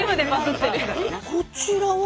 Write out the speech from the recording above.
こちらは？